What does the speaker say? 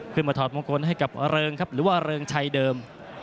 ถอดมงคลให้กับเริงครับหรือว่าเริงชัยเดิม